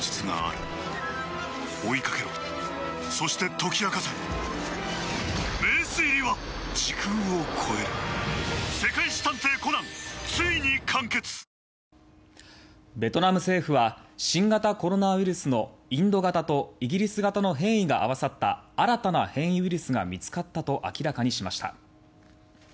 直近１週間の新規感染者は１７０６人でベトナム政府は新型コロナウイルスのインド型とイギリス型の変異が合わさった新たな変異ウイルスが見つかったと明らかにしました。